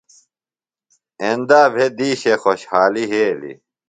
ایند بھےۡ دِیشے خوۡشحالیۡ یھیلیۡ۔